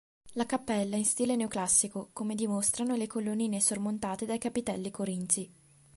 La cappella è in stile neoclassico, come dimostrano le colonnine sormontate dai capitelli corinzi.